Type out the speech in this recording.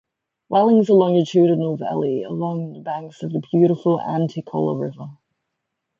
Waling is a longitudinal valley along the banks of the beautiful Aandhikhola river.